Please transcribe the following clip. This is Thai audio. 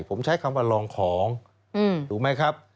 ผมใช้คำว่าลองของถูกไหมครับ